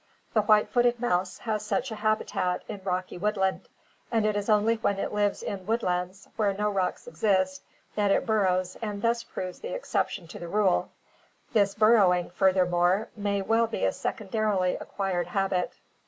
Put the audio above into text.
The white footed mouse has such a habi tat in rocky woodland, and it is only when it lives in woodlands where no rocks exist that it burrows and thus proves the exception CAVE AND DEEP SEA LIFE 381 to the rule; this burrowing, furthermore, may well be a secondarily acquired habit.